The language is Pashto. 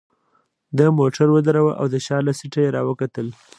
ده موټر ودراوه او د شا له سیټه يې راوکتل.